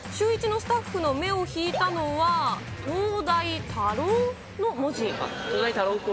シューイチのスタッフの目を引いたのは東大多浪？の文字。